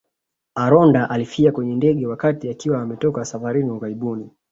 Aronda alifia kwenye ndege wakati akiwa ametoka safarini ughaibuni